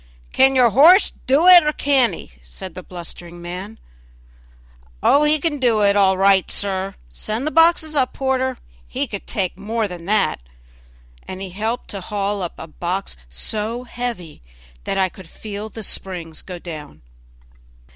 "Can your horse do it, or can't he?" said the blustering man. "Oh! he can do it all right, sir; send up the boxes, porter; he could take more than that;" and he helped to haul up a box so heavy that I could feel the springs go down.